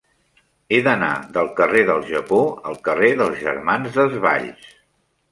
He d'anar del carrer del Japó al carrer dels Germans Desvalls.